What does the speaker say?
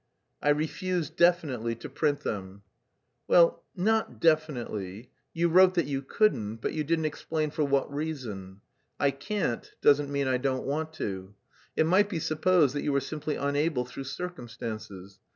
"I refused definitely to print them." "Well, not definitely. You wrote that you couldn't, but you didn't explain for what reason. 'I can't' doesn't mean 'I don't want to.' It might be supposed that you were simply unable through circumstances.